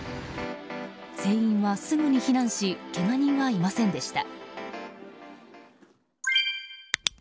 船員はすぐに避難しけが人はいませんでした。